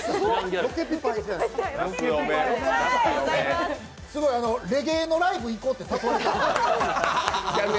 すごい、レゲエのライブ行こうって誘われてる。